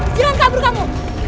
jangan kabur kamu